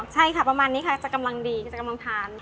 ใช่ค่ะประมาณนี้ค่ะจะกำลังดีก็จะกำลังทาน